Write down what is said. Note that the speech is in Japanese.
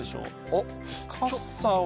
おっ。